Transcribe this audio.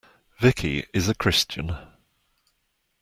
Vicky is a Christian.